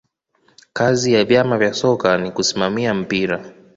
kazi ya vyama vya soka ni kusimamia mpira